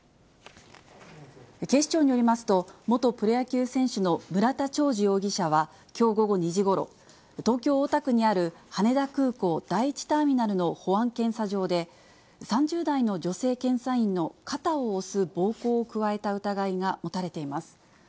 警視庁によりますと、元プロ野球選手の村田兆治容疑者はきょう午後２時ごろ、東京・大田区にある羽田空港第１ターミナルの保安検査場で、３０代の女性検査員の肩を押す暴行を加えた疑いが持たれています。